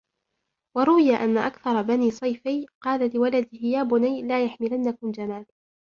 وَرُوِيَ أَنَّ أَكْثَمَ بْنَ صَيْفِيٍّ قَالَ لِوَلَدِهِ يَا بُنَيَّ لَا يَحْمِلَنَّكُمْ جَمَالُ